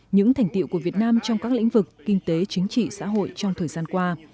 những thành tiệu của việt nam trong các lĩnh vực kinh tế chính trị xã hội trong thời gian qua